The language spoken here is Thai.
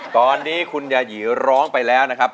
ตอนนี้คุณยายีร้องไปแล้วนะครับ